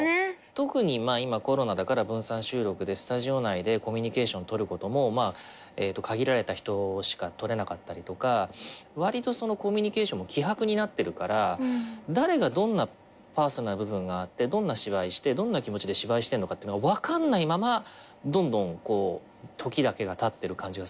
特に今コロナだから分散収録でスタジオ内でコミュニケーションとることも限られた人しかとれなかったりとか割とコミュニケーションも希薄になってるから誰がどんなパーソナルな部分があってどんな芝居してどんな気持ちで芝居してるのかってのが分かんないままどんどん時だけがたってる感じがする。